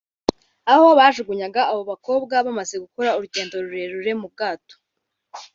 aho bajugunyaga abo bakobwa bamaze gukora urugendo rurerure mu bwato